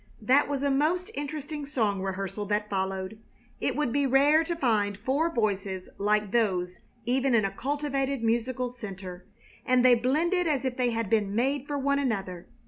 That was a most interesting song rehearsal that followed. It would be rare to find four voices like those even in a cultivated musical center, and they blended as if they had been made for one another.